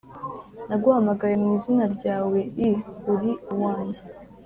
Naguhamagaye mu izina ryawe i uri uwanjye